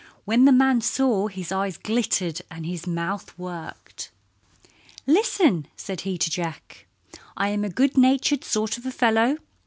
When the man saw it his eyes glittered and his mouth worked. "Listen," said he to Jack, "I am a good natured sort of a fellow.